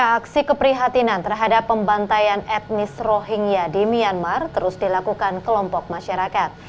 aksi keprihatinan terhadap pembantaian etnis rohingya di myanmar terus dilakukan kelompok masyarakat